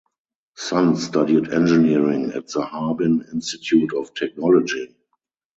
Sun studied engineering at the Harbin Institute of Technology.